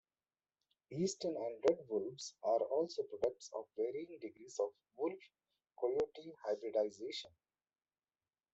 Eastern and red wolves are also products of varying degrees of wolf-coyote hybridization.